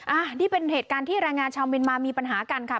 อันนี้เป็นเหตุการณ์ที่แรงงานชาวเมียนมามีปัญหากันค่ะ